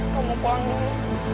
gue mau pulang dulu